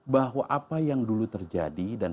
bahwa apa yang dulu terjadi dan